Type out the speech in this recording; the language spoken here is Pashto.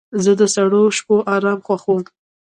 زه د سړو شپو آرام خوښوم.